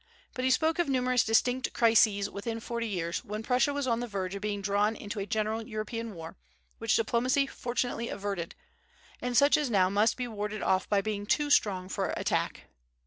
But he spoke of numerous distinct crises within forty years, when Prussia was on the verge of being drawn into a general European war, which diplomacy fortunately averted, and such as now must be warded off by being too strong for attack.